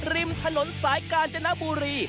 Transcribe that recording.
ริมถนนสายกาญจนบุรี